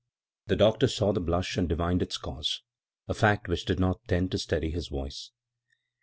The doctor saw the blush and divined its cause — a fact which did not tend to steady his voice.